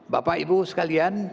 bapak ibu sekalian